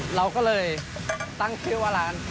เราก็เลยตั้งชื่อว่าร้าน